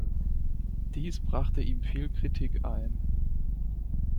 Dies brachte ihm viel Kritik ein.